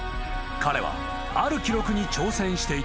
［彼はある記録に挑戦していた］